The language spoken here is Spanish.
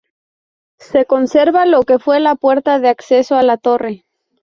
Se conserva lo que fue la puerta de acceso a la torre.